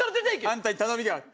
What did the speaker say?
あんたに頼みがある。